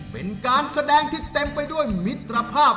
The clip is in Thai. เป็นการแสดงที่เต็มไปด้วยมิตรภาพ